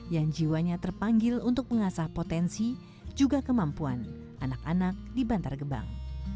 yang jiwanya terpanggil untuk mengasah potensi juga kemampuan anak anak di bantar gebang